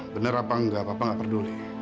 bener apa enggak papa nggak peduli